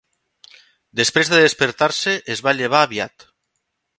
Després de despertar-se, es va llevar aviat.